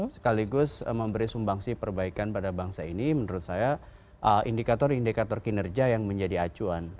sekaligus memberi sumbangsi perbaikan pada bangsa ini menurut saya indikator indikator kinerja yang menjadi acuan